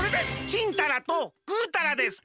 チンタラとグータラです。